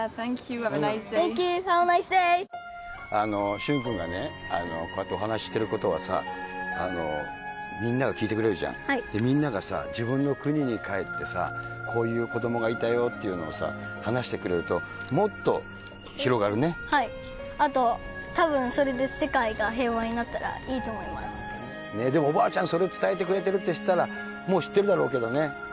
駿君がね、こうやってお話していることはさ、みんなが聞いてくれるじゃん、みんながさ、自分の国に帰ってさ、こういう子どもがいたよっていうのを話してくれると、はい、あとたぶんそれで世界でもおばあちゃん、それ伝えてくれてるって知ったら、もう知ってるだろうけどね。